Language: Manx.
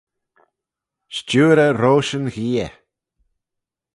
Sturey rosh yn gheay.